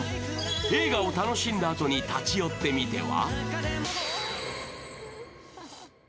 映画を楽しんだあとに立ち寄ってみては？